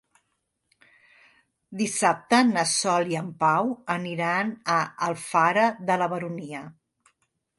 Dissabte na Sol i en Pau aniran a Alfara de la Baronia.